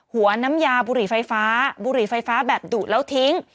หัวน้ำยาบุหรี่ไฟฟ้าบุหรี่ไฟฟ้าแบบดุแล้วทิ้ง